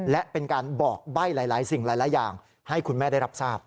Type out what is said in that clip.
และเป็นการบอกใบ้หลายสิ่งหลายอย่างให้คุณแม่ได้รับทราบ